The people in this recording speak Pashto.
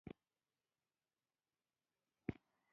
له بده مرغه زموږ هیواد هم له دې جملې څخه حسابېږي.